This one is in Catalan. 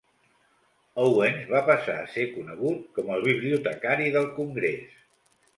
Owens va passar a ser conegut com el "bibliotecari del Congrés".